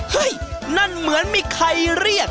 นั่นเหมือนมีใครเรียก